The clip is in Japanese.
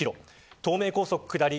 東名高速下り